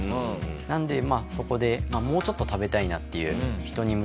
なのでそこでもうちょっと食べたいなっていう人に向けて。